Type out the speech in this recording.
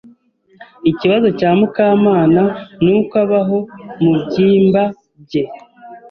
Ikibazo cya Mukamana nuko abaho mubyimba bye.